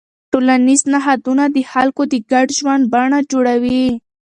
ټولنیز نهادونه د خلکو د ګډ ژوند بڼه جوړوي.